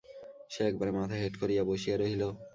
সে একেবারে মাথা হেঁট করিয়া বসিয়া রহিল।